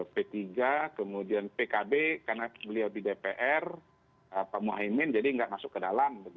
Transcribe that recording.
p tiga kemudian pkb karena beliau di dpr pak muhaymin jadi nggak masuk ke dalam